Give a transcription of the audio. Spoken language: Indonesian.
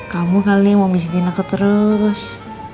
kamu kali mau miskin aku terus